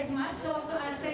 saya sudah divaksin